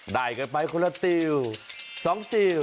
ได้กันไปคนละติว๒ติว